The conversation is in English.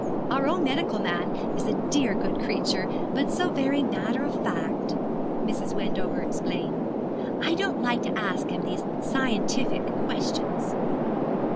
'Our own medical man is a dear good creature, but so very matter of fact,' Mrs. Wendover explained; 'I don't like to ask him these scientific questions.'